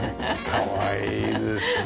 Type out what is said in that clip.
かわいいですねえ。